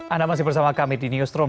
anda masih bersama kami di newsroom